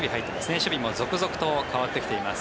守備も続々と変わってきています。